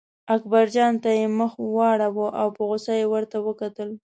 اکبرجان ته یې مخ واړاوه او په غوسه یې ورته وکتل.